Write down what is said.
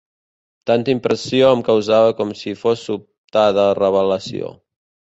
Tanta impressió em causava com si fos sobtada revel·lació.